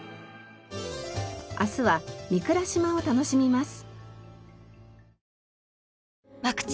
明日は御蔵島を楽しみます。